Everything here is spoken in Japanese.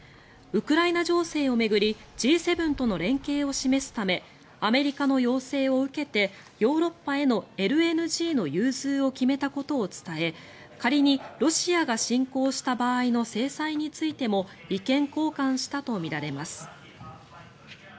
ウクライナ情勢を巡りＧ７との連携を示すためアメリカの要請を受けてヨーロッパへのＬＮＧの融通を決めたことを伝え仮にロシアが侵攻した場合の制裁についても意見交換したとみられます。